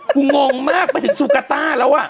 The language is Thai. งงมากไปถึงซูกาต้าแล้วอ่ะ